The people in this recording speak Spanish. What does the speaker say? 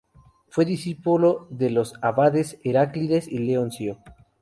Fue discípulo de los abades Heráclides y Leoncio.